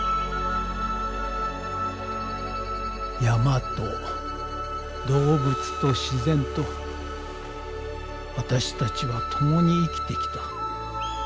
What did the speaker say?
山と動物と自然と私たちは共に生きてきた。